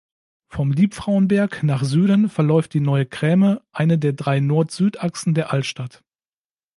Vom Liebfrauenberg nach Süden verläuft die Neue Kräme, eine der drei Nord-Süd-Achsen der Altstadt.